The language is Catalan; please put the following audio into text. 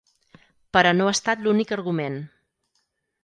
Però no ha estat l’únic argument.